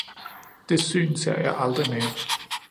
Det syn ser jeg aldrig mere